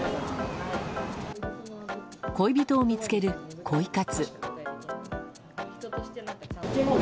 恋人を見つける、恋活。